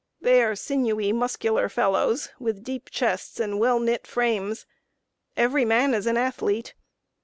They are sinewy, muscular fellows, with deep chests and well knit frames. Every man is an athlete.